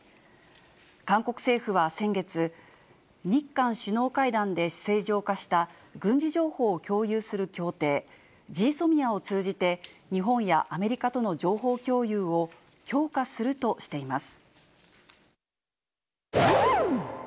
韓国政府は先月、日韓首脳会談で正常化した軍事情報を共有する協定・ＧＳＯＭＩＡを通じて、日本やアメリカとの情報共有を強化するとしています。